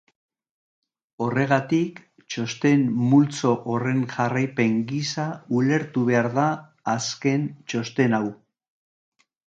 Horregatik, txosten multzo horren jarraipen gisa ulertu behar da azken txosten hau.